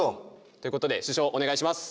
ということで主将お願いします！